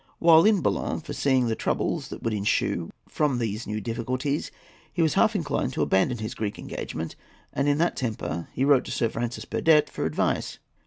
While at Boulogne, foreseeing the troubles that would ensue from these new difficulties, he was half inclined to abandon his Greek engagement, and in that temper he wrote to Sir Francis Burdett for advice.